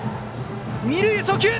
二塁へ送球！